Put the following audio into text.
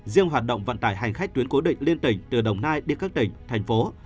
riêng hoạt động vận tải hành khách tuyến cố định liên tỉnh từ đồng nai đi các tỉnh thành phố